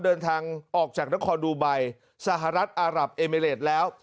เดินทางออกจากนครดูไบสหรัฐอารับเอมิเลสแล้ว